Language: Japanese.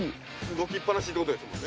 動きっぱなしってことですもんね。